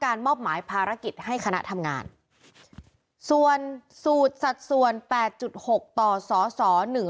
การมอบหมายภารกิจให้คณะทำงานส่วนสูตรสัดส่วนแปดจุดหกต่อสอสอหนึ่ง